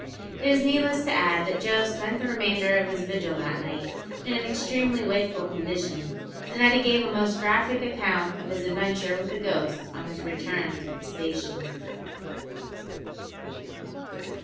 It is needless to add that Joe spent the remainder of his vigil that night in an extremely wakeful condition, and that he gave a most graphic account of his adventure with the ghosts on his return to the station!